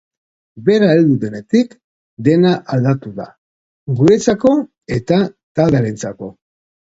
Bera heldu denetik dena aldatu da, guretzako eta taldearentzako.